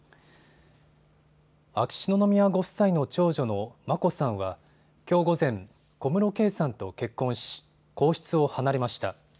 秋篠宮ご夫妻の長女の眞子さんはきょう午前、小室圭さんと結婚し皇室を離れました。